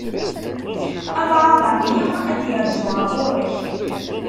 Abɛaḍ a mmi ad d-yerzu ɣer ɣur-k.